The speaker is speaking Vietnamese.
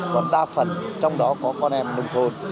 còn đa phần trong đó có con em nông thôn